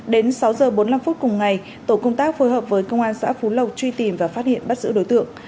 đến sáu h bốn mươi năm phút cùng ngày tổ công tác phối hợp với công an xã phú lộc truy tìm và phát hiện bắt giữ đối tượng